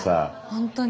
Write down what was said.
本当に。